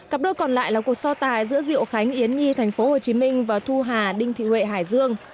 cặp đôi còn lại là cuộc so tài giữa diệu khánh yến nhi tp hcm và thu hà đinh thị huệ hải dương